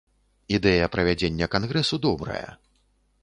Ідэя правядзення кангрэсу добрая.